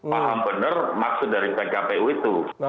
paham benar maksud dari pkpu itu